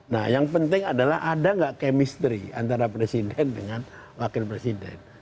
nah yang penting adalah ada nggak chemistry antara presiden dengan wakil presiden